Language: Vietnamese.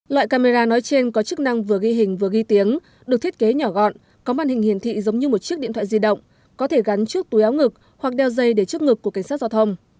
loại camera nói trên có chức năng vừa ghi hình vừa ghi tiếng được thiết kế nhỏ gọn có màn hình hiển thị giống như một chiếc điện thoại di động có thể gắn trước túi áo ngực hoặc đeo dây để trước ngực của cảnh sát giao thông